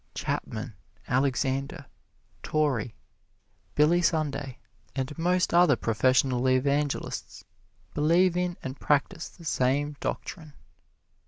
Chapman, Alexander, Torrey, Billy Sunday and most other professional evangelists believe in and practise the same doctrine.